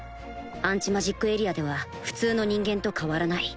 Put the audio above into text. アンチマジックエリアでは普通の人間と変わらない